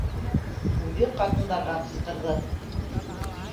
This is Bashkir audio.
Үҙе ҡатындарға ҡысҡырҙы: